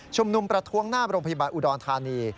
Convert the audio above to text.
นุมประท้วงหน้าโรงพยาบาลอุดรธานี